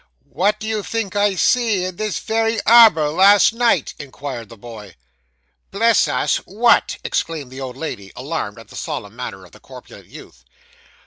'What do you think I see in this very arbour last night?' inquired the boy. 'Bless us! What?' exclaimed the old lady, alarmed at the solemn manner of the corpulent youth.